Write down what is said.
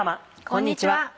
こんにちは。